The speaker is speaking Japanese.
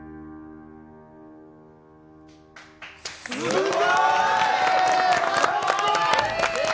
すごい！